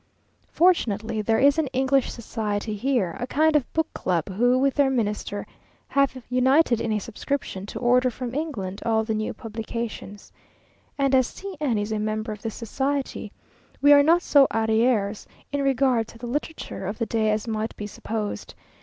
Fortunately, there is an English society here, a kind of book club, who, with their Minister, have united in a subscription to order from England all the new publications, and as C n is a member of this society, we are not so arrieres in regard to the literature of the day as might be supposed.